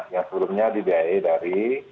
yang sebelumnya dibiayai dari